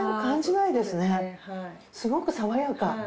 すごくさわやか。